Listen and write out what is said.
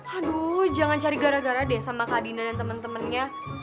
aduh jangan cari gara gara deh sama kak dina dan temen temennya